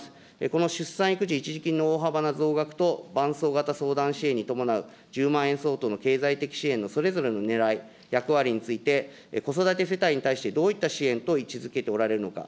この出産育児一時金の大幅な増額と、伴走型相談支援に伴う１０万円相当の経済的支援のそれぞれのねらい、役割について子育て世帯に対してどういった支援と位置づけておられるのか。